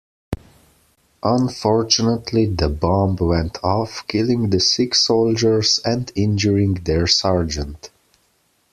Unfortunately, the bomb went off killing the six soldiers and injuring their sergeant.